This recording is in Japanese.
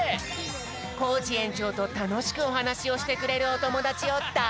コージえんちょうとたのしくおはなしをしてくれるおともだちをだ